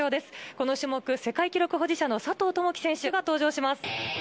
この種目、世界記録保持者の佐藤友祈選手が登場します。